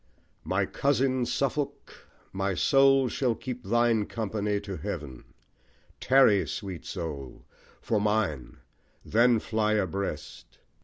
My cousin Suffolk, My soul shall thine keep company to heaven Tarry, sweet soul, for mine, then fly abreast.